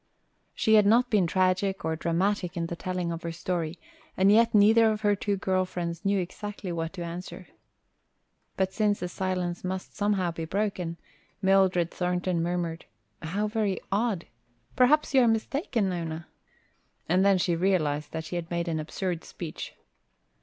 She had not been tragic or dramatic in the telling of her story, and yet neither of her two girl friends knew exactly what to answer. But since the silence must somehow be broken, Mildred Thornton murmured, "How very odd; perhaps you are mistaken, Nona!" Then she realized that she had made an absurd speech.